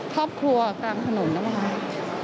ครอบครัวกลางถนนนะคะ